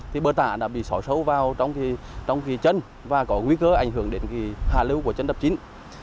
thì bơ tạ đã bị xóa sâu vào trong cái trấn và có nguy cơ ảnh hưởng đến cái hà lưu của trấn đập chính